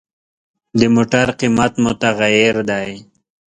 د موټر قیمت متغیر دی.